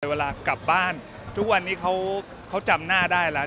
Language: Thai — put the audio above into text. เวลากลับบ้านทุกวันนี้เขาจำหน้าได้แล้ว